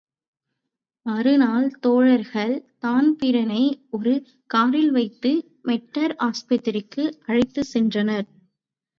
மறுநாள் தோழர்கள் தான்பிரீனை ஒரு காரில் வைத்து, மேட்டர் ஆஸ்பத்திரிக்கு அழைத்துக் சென்றனர்.